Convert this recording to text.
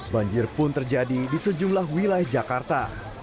banjir pun terjadi di sejumlah wilayah jakarta